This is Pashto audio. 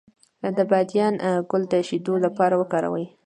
د بادیان ګل د شیدو لپاره وکاروئ